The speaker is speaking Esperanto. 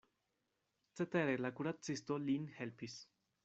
Cetere la kuracisto lin helpis.